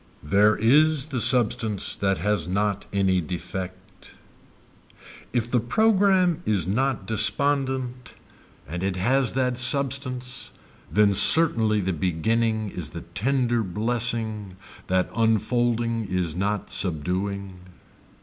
There is the substance that has not any defect. If the program is not despondent and it has that substance then certainly the beginning is the tender blessing that unfolding is not subduing.